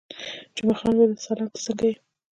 جمعه خان وویل: سلام، ته څنګه یې؟